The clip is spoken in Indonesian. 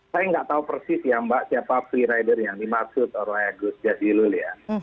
saya nggak tahu persis ya mbak siapa periode yang dimaksud orang orang jazilul ya